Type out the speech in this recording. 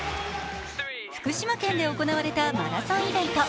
福島県で行われたマラソンイベント。